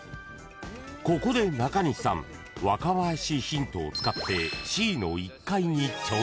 ［ここで中西さん若林ヒントを使ってＣの１階に挑戦］